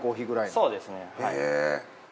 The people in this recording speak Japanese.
そうですね。